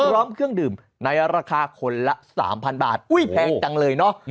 พร้อมเครื่องดื่มในราคาคนละ๓๐๐บาทอุ้ยแพงจังเลยเนอะ